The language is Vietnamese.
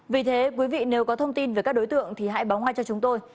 vì thế quý vị nếu có thông tin về các đối tượng thì hãy báo ngay cho chúng tôi